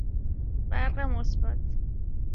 برق مثبت